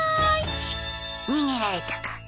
チッ逃げられたか。